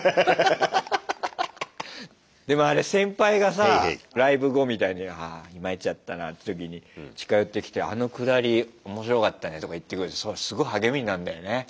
でもあれ先輩がさライブ後みたいにあ参っちゃったなって時に近寄ってきて「あのくだり面白かったね」とか言ってくれてそれすごい励みになるんだよね。